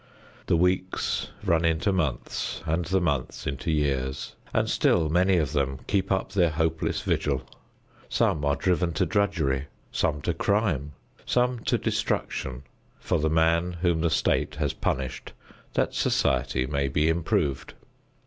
The weeks run into months and the months into years, and still many of them keep up their hopeless vigil; some are driven to drudgery, some to crime, some to destruction for the man whom the state has punished that society may be improved.